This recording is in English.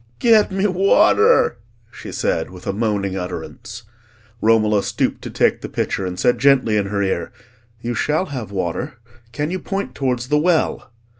get me water!" she said, with a moaning utterance. Romola stooped to take the pitcher, and said gently in her ear, "You shall have water; can you point towards the well?"